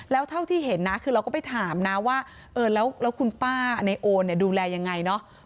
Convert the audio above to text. แล้วเท่าที่เห็นนะคือเราก็ไปถามนะว่าเออแล้วคุณป้าในโอเนี่ยดูแลยังไงเนาะ